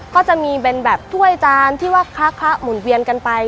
ก็จะมีเป็นแบบถ้วยจานที่ว่าคละหมุนเวียนกันไป